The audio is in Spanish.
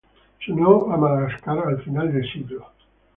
Se unió a Madagascar al final de siglo.